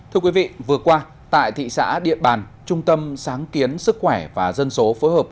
thưa quý vị vừa qua tại thị xã điện bàn trung tâm sáng kiến sức khỏe và dân số phối hợp